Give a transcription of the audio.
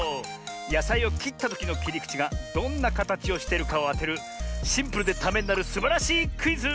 やさいをきったときのきりくちがどんなかたちをしてるかをあてるシンプルでためになるすばらしいクイズ！